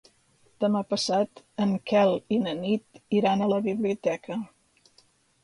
Demà passat en Quel i na Nit iran a la biblioteca.